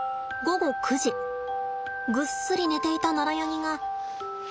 ぐっすり寝ていたナラヤニがむくっ。